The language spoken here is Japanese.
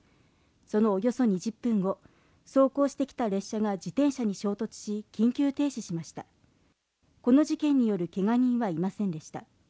そのおよそ２０分後走行してきた列車が自転車に衝突し緊急停止しましたこの事件によるけが人はいませんでした